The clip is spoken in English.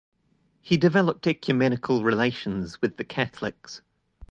He developed ecumenical relations with the Catholics.